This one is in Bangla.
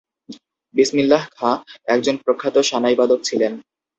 বিসমিল্লাহ খাঁ একজন প্রখ্যাত সানাই বাদক ছিলেন।